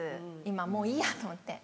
今もういいやと思って。